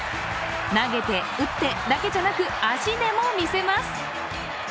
投げて、打ってだけじゃなく足でもみせます。